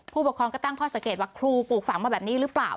ผู้ปกครองก็ตั้งข้อสังเกตว่าครูปฝังมาแบบนี้หรือเปล่า